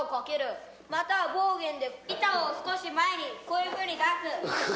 「またはボーゲンで板を少し前にこういうふうに出す」